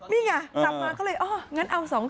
นี่ไงตลับมาก็เลยเอา๒๔